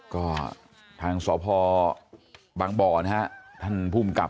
ก็ทางสพบางบ่อนะฮะท่านภูมิกับ